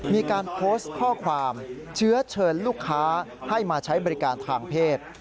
มีการโพสต์ข้อความเชื้อเชิญลูกค้าให้มาใช้บริการทางเพศ